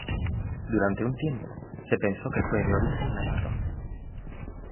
Durante un tiempo se pensó que fue de origen navarro.